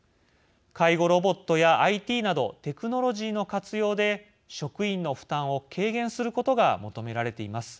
介護ロボットやＩＴなどテクノロジーの活用で職員の負担を軽減することが求められています。